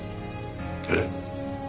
えっ？